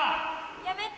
やめて！